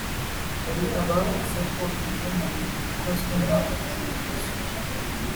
hari abavuze ko imibonano ikozwe nta gakingirizo